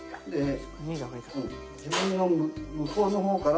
自分の向こうのほうから。